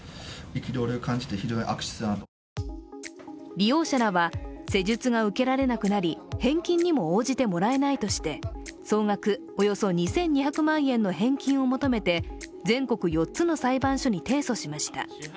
利用者らは、施術が受けられなくなり、返金にも応じてもらえないとして総額およそ２２００万円の返金を求めて全国４つの裁判所に提訴しました。